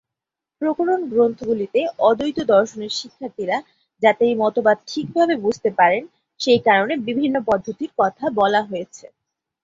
প্রকরণ গ্রন্থগুলিতে অদ্বৈত দর্শনের শিক্ষার্থীরা যাতে এই মতবাদ ঠিকভাবে বুঝতে পারেন, সেই কারণে বিভিন্ন পদ্ধতির কথা বলা হয়েছে।